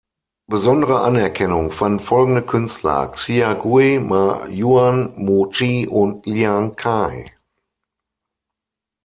Besondere Anerkennung fanden folgende Künstler: Xia Gui, Ma Yuan, Mu Chi und Liang Kai.